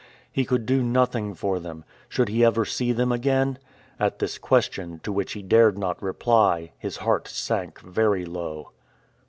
He could do nothing for them. Should he ever see them again? At this question, to which he dared not reply, his heart sank very low.